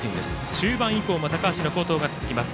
中盤以降も高橋の好投が続きます。